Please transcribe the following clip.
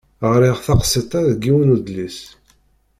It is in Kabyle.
Ɣriɣ taqsiṭ-a deg yiwen udlis.